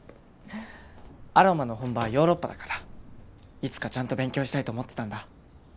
アロマの本場はヨーロッパだからいつかちゃんと勉強したいと思ってたんだ